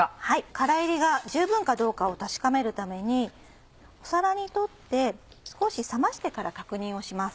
空炒りが十分かどうかを確かめるために皿に取って少し冷ましてから確認をします。